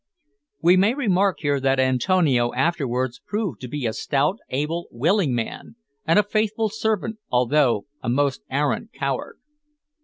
We may remark here that Antonio afterwards proved to be a stout, able, willing man, and a faithful servant, although a most arrant coward.